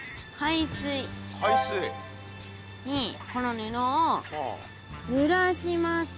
海水？にこのぬのをぬらします。